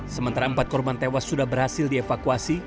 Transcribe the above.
sementara empat korban tewas sudah berhasil dievakuasi